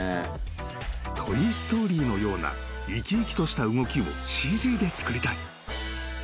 ［『トイ・ストーリー』のような生き生きとした動きをＣＧで作りたい］